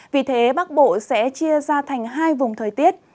vì thế bắc bộ sẽ chia ra thành hai vùng thời tiết